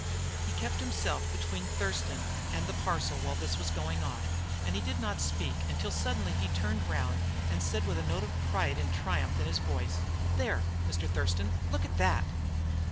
He kept himself between Thurston and the parcel while this was going on, and he did not speak until he suddenly turned round, and said, with a note of pride and triumph in his voice: "There, Mr. Thurston, look at that!"